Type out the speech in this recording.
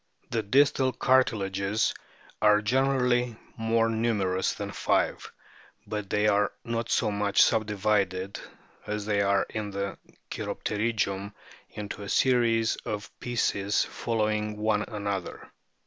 The distal cartilages are generally more numerous than five ; but they are not so much subdivided as they are in the cheirop terygium into a series of pieces following one another.